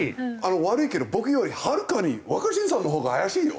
悪いけど僕よりはるかに若新さんのほうが怪しいよ。